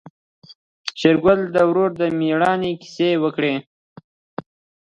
شېرګل د ورور د مړينې کيسه وکړه.